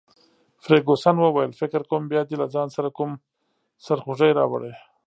فرګوسن وویل: فکر کوم بیا دي له ځان سره کوم سرخوږی راوړی.